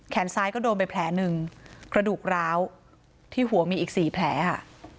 ซ้ายก็โดนไปแผลหนึ่งกระดูกร้าวที่หัวมีอีก๔แผลค่ะ